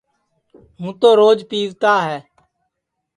ہوں تو روج پیوتا ہے